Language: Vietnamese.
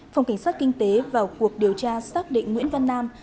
phòng cảnh sát kinh tế vào cuộc điều tra xác định nguyễn văn nam